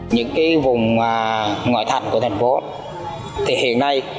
những vùng ngoại thành của thành phố